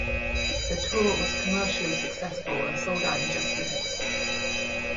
The tour was commercially successful and sold out in just minutes.